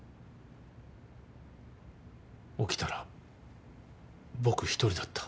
起きたら僕一人だった。